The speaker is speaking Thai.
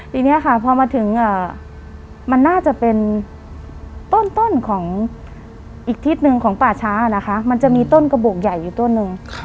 ทีนี้ค่ะพอมาถึงมันน่าจะเป็นต้นของอีกทิศหนึ่งของป่าช้านะคะมันจะมีต้นกระโบกใหญ่อยู่ต้นหนึ่ง